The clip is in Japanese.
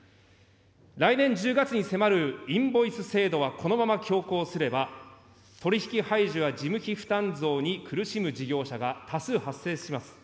来年１０月に迫るインボイス制度はこのまま強行すれば、取り引き排除や事務負担増に苦しむ事業者が多数発生します。